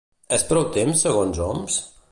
És prou temps, segons Homs?